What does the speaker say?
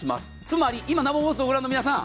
つまり今、生放送をご覧の皆さん